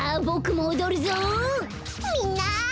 みんな！